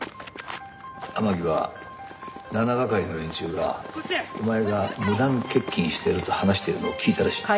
天樹は７係の連中がお前が無断欠勤していると話しているのを聞いたらしいんだ。